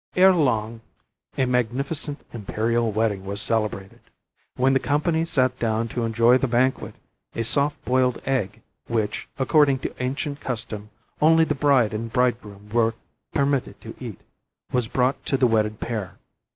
Ere long a magnificent imperial wedding was celebrated. When the company sat down to enjoy the banquet, a soft boiled egg, which, according to ancient custom, only the bride and bridegroom were permitted to eat, was brought to the wedded pair.